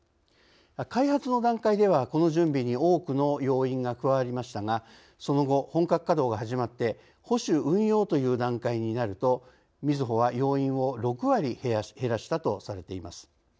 開発の段階ではこの準備に多くの要員が加わりましたがその後本格稼働が始まって保守・運用という段階になるとみずほは要員を６割減らしたとされています。